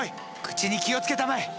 口に気を付けたまえ！